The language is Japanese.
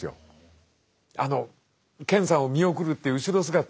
あの健さんを見送るっていう後ろ姿。